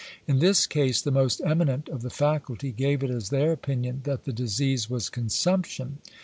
In this case, the most eminent of the faculty gave it as their opinion, that the disease was consumption.